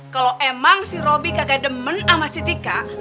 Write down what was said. kalau emang si robby kagak demen sama si tika